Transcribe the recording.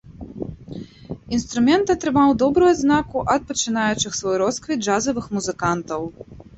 Інструмент атрымаў добрую адзнаку ад пачынаючых свой росквіт джазавых музыкантаў.